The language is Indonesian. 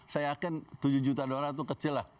saya yakin tujuh juta dolar itu kecil lah